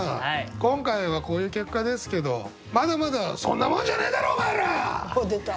今回はこういう結果ですけどまだまだそんなもんじゃねえだろお前ら！おっ出た！